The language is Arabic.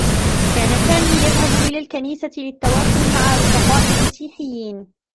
كان سامي يذهب إلى الكنيسة للتّواصل مع رفقاء مسيحيّين.